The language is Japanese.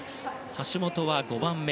橋本は５番目。